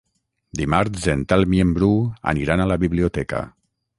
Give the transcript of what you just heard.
Dimarts en Telm i en Bru aniran a la biblioteca.